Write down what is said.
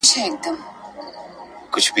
ایا ستا لارښود استاد ستا د څېړنیزي لیکني ژبه سموي؟